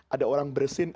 ada orang bersin